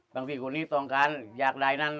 พี่คนนี้ต้องการอยากได้นั่น